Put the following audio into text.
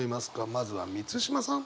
まずは満島さん。